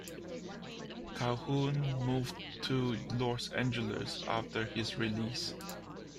Calhoun moved to Los Angeles after his release.